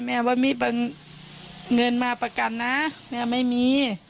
ว่ามีเงินมาประกันนะแม่ไม่มี